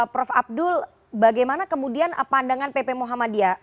prof abdul bagaimana kemudian pandangan pp muhammadiyah